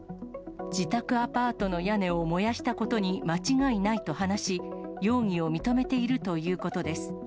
自宅アパートの屋根を燃やしたことに間違いないと話し、容疑を認めているということです。